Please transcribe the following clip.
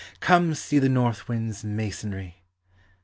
Come see the north wind's masonry!